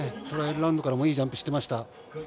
トライアルラウンドからもいいジャンプをしていました。